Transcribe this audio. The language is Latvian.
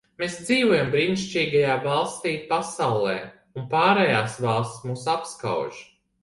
Mēs dzīvojam brīnišķīgākajā valstī pasaulē, un pārējās valstis mūs apskauž.